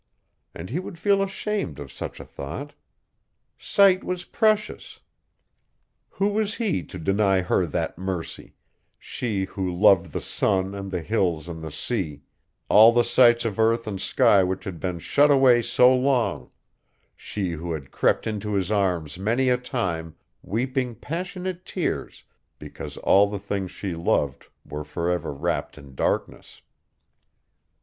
And he would feel ashamed of such a thought. Sight was precious. Who was he to deny her that mercy, she who loved the sun and the hills and the sea; all the sights of earth and sky which had been shut away so long; she who had crept into his arms many a time, weeping passionate tears because all the things she loved were forever wrapped in darkness?